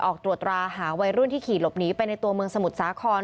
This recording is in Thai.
ออกตรวจตราหาวัยรุ่นที่ขี่หลบหนีไปในตัวเมืองสมุทรสาคร